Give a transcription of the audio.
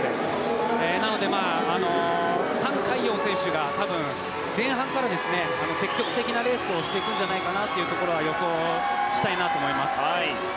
なのでタン・カイヨウ選手が多分、前半から積極的なレースをしていくのではないかと予想したいなと思います。